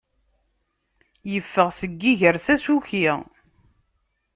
Iffeɣ seg iger s asuki.